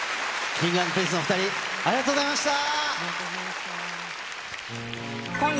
Ｋｉｎｇ＆Ｐｒｉｎｃｅのお２人、ありがとうございました。